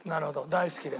大好きで。